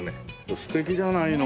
素敵じゃないの。